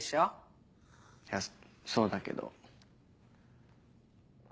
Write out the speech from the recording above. いやそうだけど。